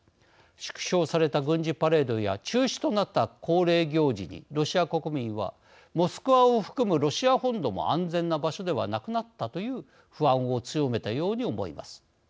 縮小された軍事パレードや中止となった恒例行事にロシア国民はモスクワを含むロシア本土も安全な場所ではなくなったという不安を強めたように思います。